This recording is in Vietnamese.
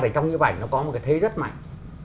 trong những ảnh nó có một cái thế rất mạnh